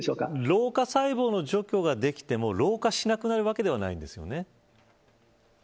老化細胞の除去ができても老化しなくなるわけではないんですよね。